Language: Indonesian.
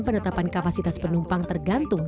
penetapan kapasitas penumpang tergantung